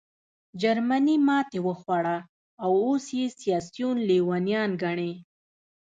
جرمني ماتې وخوړه او اوس یې سیاسیون لېونیان ګڼې